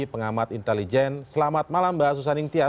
pengamat intelijen selamat malam mbak susaning tia